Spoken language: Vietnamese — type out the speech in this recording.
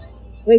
với khó khăn